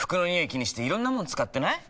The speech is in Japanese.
気にしていろんなもの使ってない？